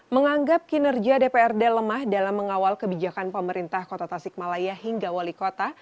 menganggap kinerja dprd lemah dalam mengawal kebijakan pemerintah kota tasikmalaya hingga wali kota